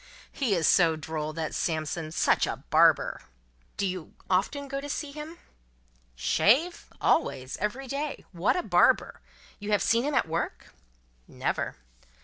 He is so droll, that Samson. Such a Barber!" "Do you often go to see him " "Shave? Always. Every day. What a barber! You have seen him at work?" "Never."